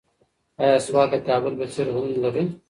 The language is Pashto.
ایا سوات د کابل په څېر غرونه لري؟